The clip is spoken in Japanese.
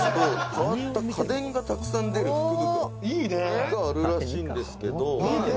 「変わった家電がたくさん出る福袋があるらしいんですけど」